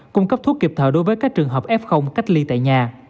cung cấp thuốc kịp thời đối với các trường hợp f cách ly tại nhà